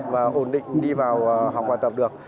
và ổn định đi vào học hoạt tập được